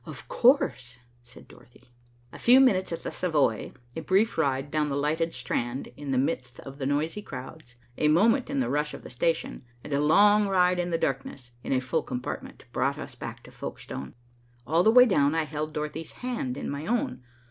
"Of course," said Dorothy. A few minutes at the Savoy, a brief ride down the lighted Strand in the midst of the noisy crowds, a moment in the rush of the station, and a long ride in the darkness, in a full compartment, brought us back to Folkestone. All the way down I held Dorothy's hand in my own.